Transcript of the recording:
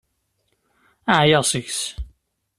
Ɛyiɣ seg-s.